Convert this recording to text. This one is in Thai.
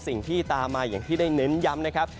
สิ่งที่ตามมาอย่างที่ได้เน้นย้ำนะครับ